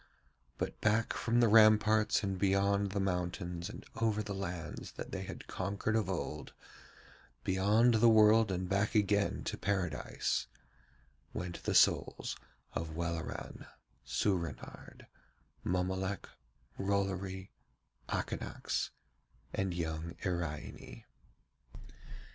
But back from the ramparts and beyond the mountains and over the lands that they had conquered of old, beyond the world and back again to Paradise, went the souls of Welleran, Soorenard, Mommolek, Rollory, Akanax, and young Iraine.